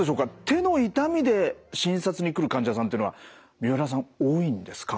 手の痛みで診察に来る患者さんっていうのは三浦さん多いんですか？